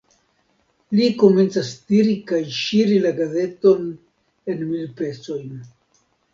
Li komencas tiri kaj ŝiri la gazeton en mil pecojn.